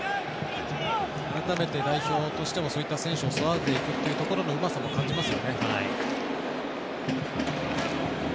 改めて代表としてのそういう代表を育てていくといううまさも感じますよね